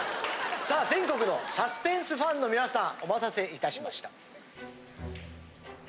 さあ全国のサスペンスファンの皆さんお待たせいたしました。